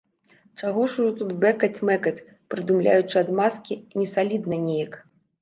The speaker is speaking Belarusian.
Чаго ўжо тут бэкаць-мэкаць, прыдумляючы адмазкі, несалідна неяк.